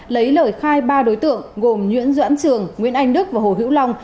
lấy lời khai ba đối tượng gồm nguyễn doãn trường nguyễn anh đức và hồ hữu long